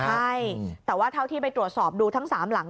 ใช่แต่ว่าเท่าที่ไปตรวจสอบดูทั้ง๓หลัง